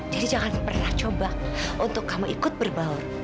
jadi jangan pernah coba untuk kamu ikut berbaur